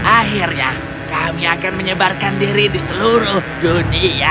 akhirnya kami akan menyebarkan diri di seluruh dunia